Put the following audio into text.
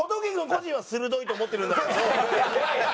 個人は「鋭い」と思ってるんだろうけど。